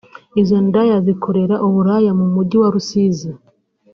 Izo ndaya zikorera uburaya mu Mujyi wa Rusizi